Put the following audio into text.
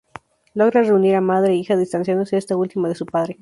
Logra reunir a madre e hija, distanciándose esta última de su padre.